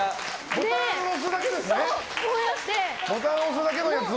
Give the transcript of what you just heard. ボタンを押すだけのやつを。